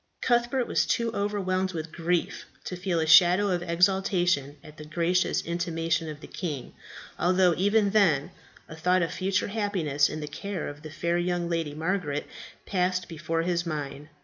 Cuthbert was too overwhelmed with grief to feel a shadow of exaltation at the gracious intimation of the king; although, even then, a thought of future happiness in the care of the fair young lady Margaret passed before his mind.